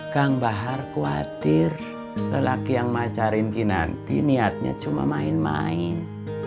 kang bahar khawatir lelaki yang majarin kinanti niatnya cuma main main